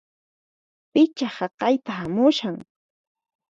Pichá haqayta hamushan!